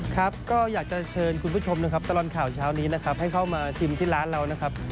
ครับก็อยากจะเชิญคุณผู้ชมนะครับตลอดข่าวเช้านี้นะครับให้เข้ามาชิมที่ร้านเรานะครับ